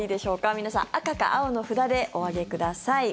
皆さん赤か青の札でお上げください。